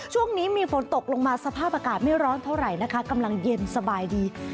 ช่วงนี้มีฝนตกลงมาสภาพอากาศไม่ร้อนเท่าไหร่นะคะกำลังเย็นสบายดี